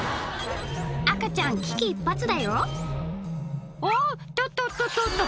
赤ちゃん危機一髪だよおっととととと！